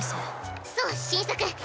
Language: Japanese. そう新作。